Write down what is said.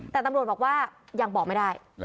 แต่ตำรวจบอกว่ายังบอกไม่ได้